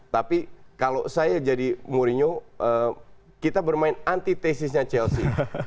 tapi kalau saya jadi mourinho kita bermain anti tesisnya chelsea